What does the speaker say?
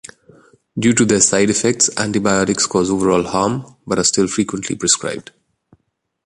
Due to their side effects, antibiotics cause overall harm but are still frequently prescribed.